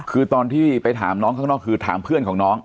คือตอนที่ไปถามน้องข้างนอกคือถามเพื่อนของน้อง